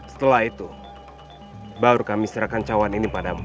setelah itu baru kami serahkan cawan ini padamu